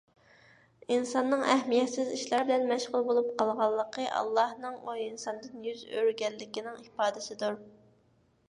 ئىنساننىڭ ئەھمىيەتسىز ئىشلار بىلەن مەشغۇل بولۇپ قالغانلىقى، ئاللاھنىڭ ئۇ ئىنساندىن يۈز ئۆرۈگەنلىكىنىڭ ئىپادىسىدۇر.